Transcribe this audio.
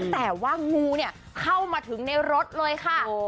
แต่ว่างูเนี่ยเข้ามาถึงในรถเลยค่ะ